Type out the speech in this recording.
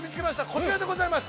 こちらでございます！